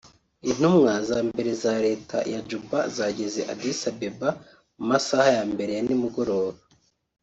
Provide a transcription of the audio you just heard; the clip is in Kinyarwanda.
Intumwa za mbere za leta ya Juba zageze i Addis Abeba mu masaha ya mbere ya nimugoroba